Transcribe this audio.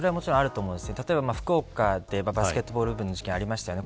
例えば、福岡でバスケットボール部の事件がありましたよね。